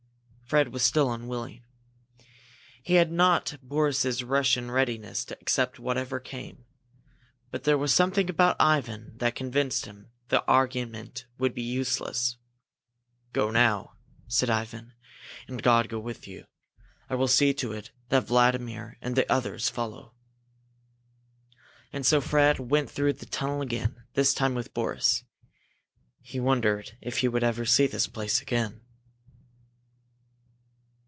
Fred was still unwilling. He had not Boris's Russian readiness to accept whatever came, but there was something about Ivan that convinced him that argument would be useless. "Go now," said Ivan, "and God go with you! I will see to it that Vladimir and the others follow." And so Fred went through the tunnel again, this time with Boris. He wondered if he would ever see this place again.